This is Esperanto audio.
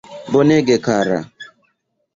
Bonege kara.